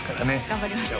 頑張ります